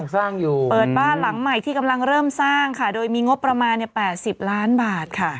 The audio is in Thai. สร้างอยู่เปิดบ้านหลังใหม่ที่กำลังเริ่มสร้างค่ะโดยมีงบประมาณ๘๐ล้านบาทค่ะ